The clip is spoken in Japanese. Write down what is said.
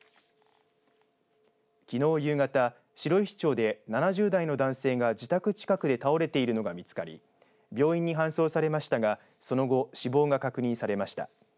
きのう夕方白石町で、７０代の男性が自宅近くで倒れているのが見つかり病院に搬送されましたがその後、死亡が確認されました。